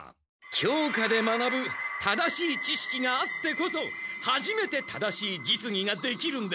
教科で学ぶ正しい知しきがあってこそはじめて正しい実技ができるんです。